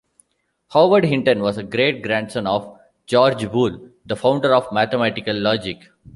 Howard Hinton was a great grandson of George Boole, the founder of mathematical logic.